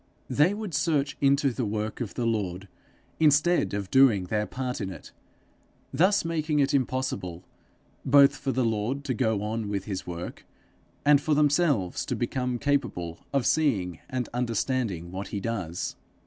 They would search into the work of the Lord instead of doing their part in it thus making it impossible both for the Lord to go on with his work, and for themselves to become capable of seeing and understanding what he does.